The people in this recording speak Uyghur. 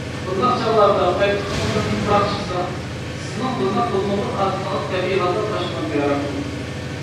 بۇنداق چاغلاردا پايپىقىڭىزدىن پۇراق چىقسا، سىزنىڭ بۇنداق بولمىغۇر ئادىتىڭىز تەبىئىي ھالدا باشقىلارنى بىئارام قىلىدۇ.